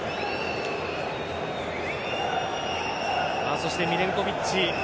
そしてミレンコヴィッチ